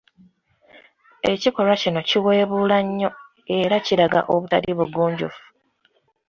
Ekikolwa kino kiweebuula nnyo era kiraga obutali bugunjufu.